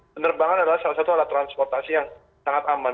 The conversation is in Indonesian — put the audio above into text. penerbangan adalah salah satu alat transportasi yang sangat aman